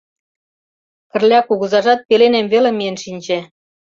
Кырля кугызажат пеленем веле миен шинче.